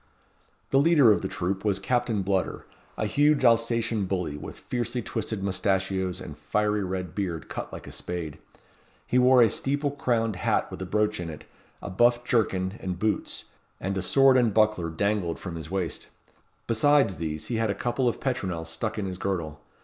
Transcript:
The leader of the troop was Captain Bludder, a huge Alsatian bully, with fiercely twisted moustachios, and fiery red beard cut like a spade. He wore a steeple crowned hat with a brooch in it, a buff jerkin and boots, and a sword and buckler dangled from his waist. Besides these, he had a couple of petronels stuck in his girdle.